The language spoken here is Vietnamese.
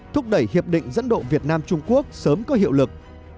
thúc đẩy hiệp định dẫn độ việt nam trung quốc sớm có hiệu lực